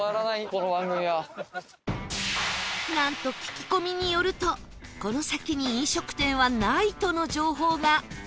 なんと聞き込みによるとこの先に飲食店はないとの情報が